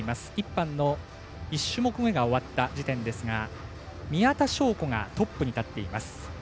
１班の１種目めが終わった時点ですが宮田笙子がトップに立っています。